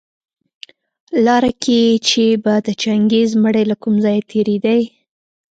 لاره کي چي به د چنګېز مړى له کوم ځايه تېرېدى